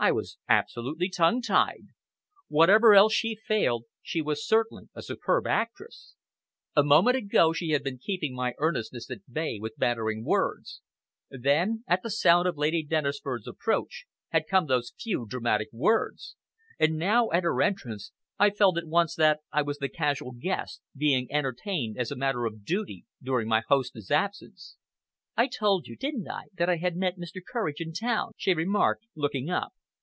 I was absolutely tongue tied. Wherever else she failed, she was certainly a superb actress. A moment ago, she had been keeping my earnestness at bay with bantering words; then, at the sound of Lady Dennisford's approach, had come those few dramatic words; and now, at her entrance, I felt at once that I was the casual guest, being entertained as a matter of duty during my hostess' absence. "I told you, didn't I, that I had met Mr. Courage in town?" she remarked, looking up.